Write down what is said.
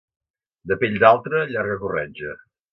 De pell d'altre, llarga corretja.